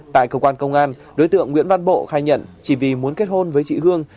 tại cơ quan công an đối tượng nguyễn văn bộ khai nhận chỉ vì muốn kết hôn với chị hương